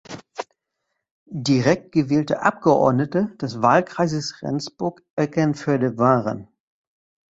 Direkt gewählte Abgeordnete des Wahlkreises Rendsburg-Eckernförde waren